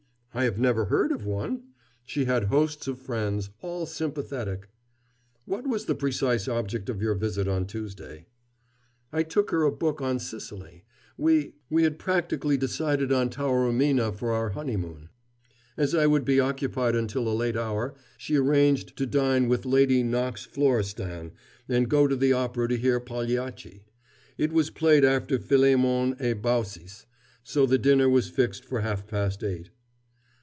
I have never heard of one. She had hosts of friends all sympathetic." "What was the precise object of your visit on Tuesday?" "I took her a book on Sicily. We we had practically decided on Taormina for our honeymoon. As I would be occupied until a late hour, she arranged to dine with Lady Knox Florestan and go to the opera to hear Pagliacci. It was played after Philémon et Baucis, so the dinner was fixed for half past eight."